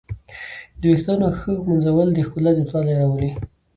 د ویښتانو ښه ږمنځول د ښکلا زیاتوالی راولي.